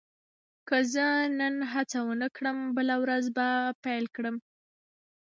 که زه نن هڅه ونه کړم، بله ورځ به پیل کړم.